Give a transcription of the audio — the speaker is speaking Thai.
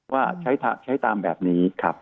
ว่าใช้ตามแบบนี้ครับ